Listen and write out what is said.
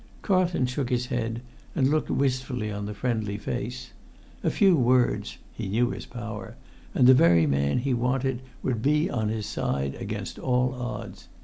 Carlton shook his head, and looked wistfully on the friendly face; a few words (he knew his power) and the very man he wanted would be on his side against all odds.